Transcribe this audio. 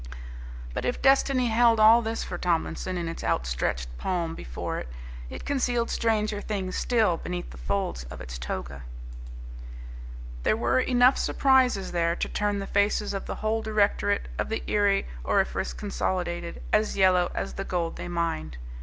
But if Destiny held all this for Tomlinson in its outstretched palm before it, it concealed stranger things still beneath the folds of its toga. There were enough surprises there to turn the faces of the whole directorate of the Erie Auriferous Consolidated as yellow as the gold they mined.